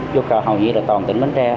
vô cầu hầu như là toàn tỉnh bến tre